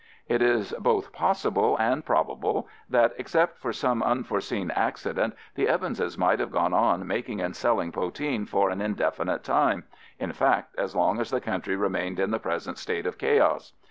It is both possible and probable that, except for some unforeseen accident, the Evanses might have gone on making and selling poteen for an indefinite time—in fact, as long as the country remained in the present state of chaos.